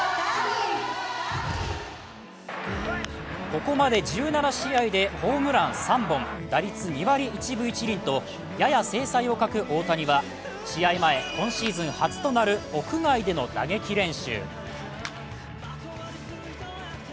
ここまで１７試合でホームラン３本打率２割１分１厘と、やや精彩を欠く大谷は試合前、今シーズン初となる屋外での打撃練習。